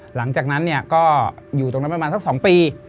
หลังจากนั้นเนี่ยก็อยู่ตรงนั้นประมาณสัก๒ปี